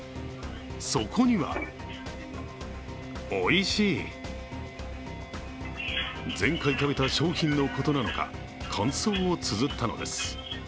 そこには前回食べた商品のことなのか、感想をつづったのです。